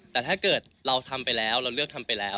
แต่ถ้าเกิดเราทำไปแล้วเราเลือกทำไปแล้ว